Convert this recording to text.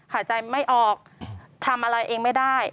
หายใจไม่ออกทำอะไรเองไม่ได้